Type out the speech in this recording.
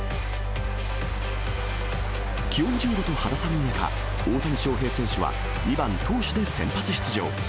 気温１０度と肌寒い中、大谷翔平選手は２番投手で先発出場。